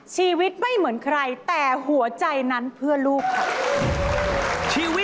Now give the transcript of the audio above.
ชีวิตไม่เหมือนใครแต่หัวใจนั้นเพื่อลูกค่ะ